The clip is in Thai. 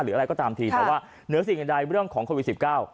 อะไรก็ตามทีแต่ว่าเหนือสิ่งอื่นใดเรื่องของโควิดสิบเก้า